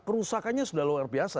kerusakannya sudah luar biasa